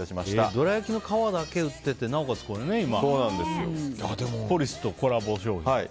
どら焼きの皮だけ売っててなおかつポリスとコラボっていう。